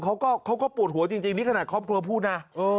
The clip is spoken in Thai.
เขาก็ปวดหัวจริงนี่ขนาดครอบครัวพูดนะ